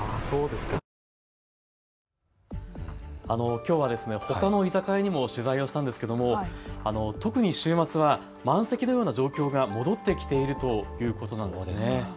きょうはほかの居酒屋にも取材をしたんですけども特に週末は、満席のような状況が戻ってきているということなんです。